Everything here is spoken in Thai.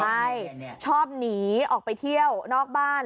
ใช่ชอบหนีออกไปเที่ยวนอกบ้าน